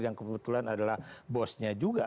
yang kebetulan adalah bosnya juga